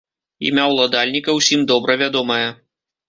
Імя ўладальніка ўсім добра вядомае.